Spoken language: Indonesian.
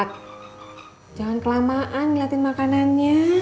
jangan kelamaan ngeliatin makanannya